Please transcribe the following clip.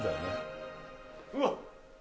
うわっ！